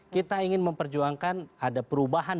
kita ingin memperjuangkan ada perubahan